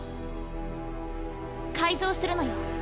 改造するのよ。